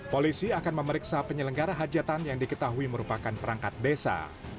polisi akan memeriksa penyelenggara hajatan yang diketahui merupakan perangkat desa